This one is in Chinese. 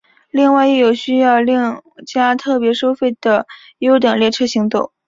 另外亦有需要另加特别收费的优等列车行走。